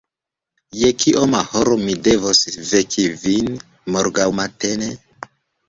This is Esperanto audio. Je kioma horo mi devos veki vin morgaŭ matene?